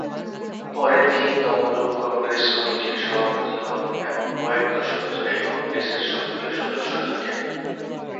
পরে তিনি তমলুক কংগ্রেস কমিটির সভাপতি হন এবং কয়েক দশক ধরে কংগ্রেসের সক্রিয় সদস্য থাকেন।